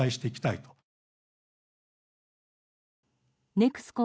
ＮＥＸＣＯ